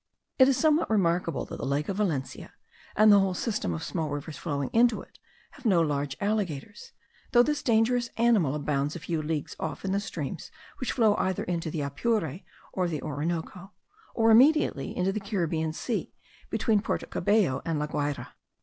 It is somewhat remarkable that the lake of Valencia, and the whole system of small rivers flowing into it, have no large alligators, though this dangerous animal abounds a few leagues off in the streams which flow either into the Apure or the Orinoco, or immediately into the Caribbean Sea between Porto Cabello and La Guayra.